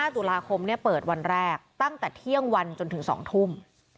ตุลาคมเปิดวันแรกตั้งแต่เที่ยงวันจนถึง๒ทุ่ม